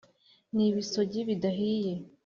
n' ibisogi bidahiye